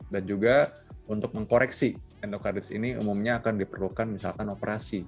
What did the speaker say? dan juga untuk mengkoreksi endokarditis ini umumnya akan diperlukan misalkan operasi